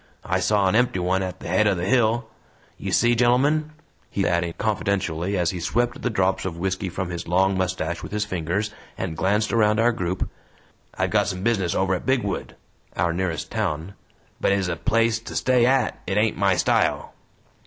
I saw an empty one at the head o' the hill. You see, gennelmen," he added confidentially as he swept the drops of whisky from his long mustache with his fingers and glanced around our group, "I've got some business over at Bigwood," our nearest town, "but ez a place to stay AT it ain't my style."